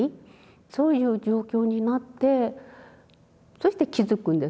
そういう状況になってそして気付くんですね。